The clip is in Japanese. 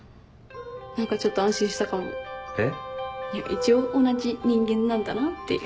一応同じ人間なんだなっていう。